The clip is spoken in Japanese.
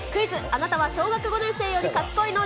あなたは小学５年生より賢いの？